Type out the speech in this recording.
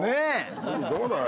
どうだよ。